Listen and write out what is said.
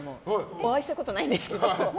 お会いしたことないんですけど。